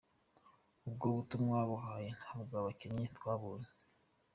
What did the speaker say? Ubwo butumwa yabahaye ntabwo abakinnyi twabonye.